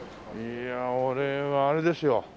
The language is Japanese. いや俺はあれですよ。